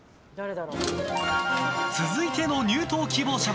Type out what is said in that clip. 続いての入党希望者は。